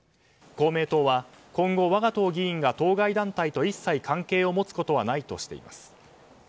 公明党は今後、我が党議員が当該団体と一切関係を持つことはないとしています。